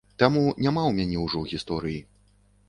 Таму няма ў мяне ўжо гісторыі.